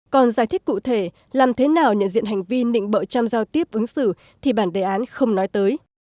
còn giải thích cụ thể làm thế nào nhận diện hành vi nịnh bợ chăm giao tiếp ứng xử thì bản đề án không nói tới